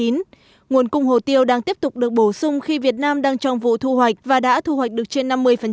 nguồn cung hồ tiêu đang tiếp tục được bổ sung khi việt nam đang trong vụ thu hoạch và đã thu hoạch được trên năm mươi